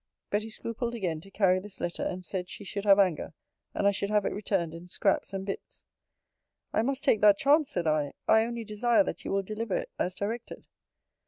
Betty scrupled again to carry this letter; and said, she should have anger; and I should have it returned in scraps and bits. I must take that chance, said I: I only desire that you will deliver it as directed.